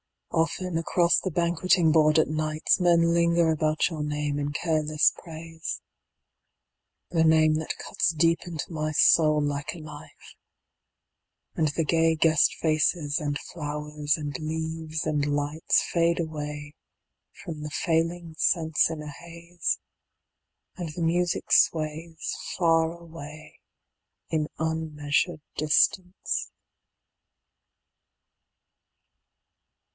Often across the Banqueting board at nights Men linger about your name in careless praise — The name that cuts deep into my soul like a knife ; And the gay guest faces and flowers and leaves and lights Fade away from the failing sense in a haze, And the music sways Far away in unmeasured distance.